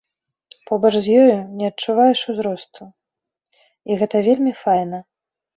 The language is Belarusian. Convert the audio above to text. Побач з ёю не адчуваеш узросту, і гэта вельмі файна.